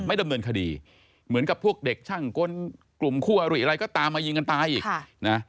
ดำเนินคดีเหมือนกับพวกเด็กช่างกลกลุ่มคู่อริอะไรก็ตามมายิงกันตายอีกนะ